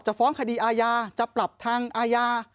ฟ้องคดีอาญาจะปรับทางอาญา